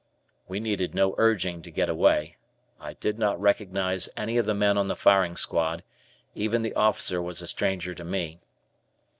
We needed no urging to get away. I did not recognize any of the men on the firing squad, even the officer was a stranger to me.